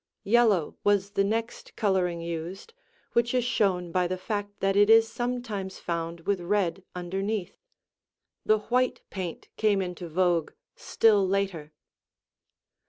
Yellow was the next coloring used, which is shown by the fact that it is sometimes found with red underneath; the white paint came into vogue still later.